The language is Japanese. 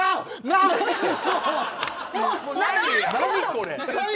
何これ？